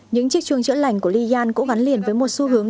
nỡ lành của liyan cũng gắn liền với một xu hướng